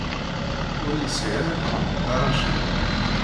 Ur yesɛi ara lḥeqq Dda Racid.